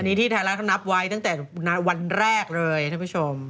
ที่ไทยรัฐเขานับไว้ตั้งแต่วันแรกเลยท่านผู้ชม